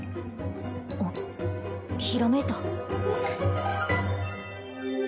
あっひらめいたえっ？